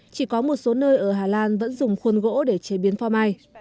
chỉ có một số nơi ở hà lan vẫn dùng khuôn gỗ để chế biến pho mai